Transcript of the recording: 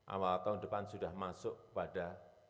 awal tahun depan sudah masuk pada